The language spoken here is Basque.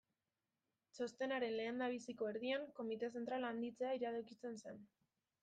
Txostenaren lehendabiziko erdian, Komite Zentrala handitzea iradokitzen zen.